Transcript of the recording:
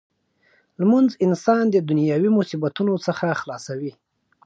لمونځ انسان د دنیايي مصیبتونو څخه خلاصوي.